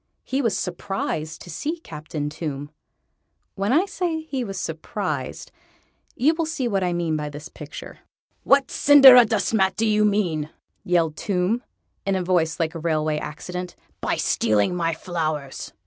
He was surprised to see Captain Tomb. When I say he was surprised, you will see what I mean by the picture. "What cinderadustmat do you mean," yelled Tomb, in a voice like a railway accident, "by stealing my flowers?"